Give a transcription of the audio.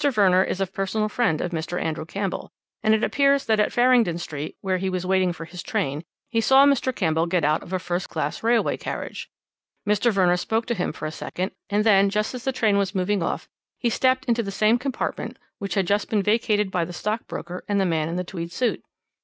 Verner is a personal friend of Mr. Andrew Campbell, and it appears that at Farringdon Street, where he was waiting for his train, he saw Mr. Campbell get out of a first class railway carriage. Mr. Verner spoke to him for a second, and then, just as the train was moving off, he stepped into the same compartment which had just been vacated by the stockbroker and the man in the tweed suit.